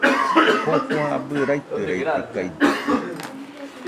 Jofo abɨ raitɨraitɨkaɨdɨkue.